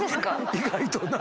意外とな。